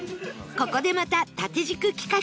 ここでまた縦軸企画